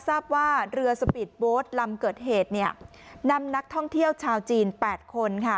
ทราบว่าเรือสปีดโบสต์ลำเกิดเหตุนำนักท่องเที่ยวชาวจีน๘คนค่ะ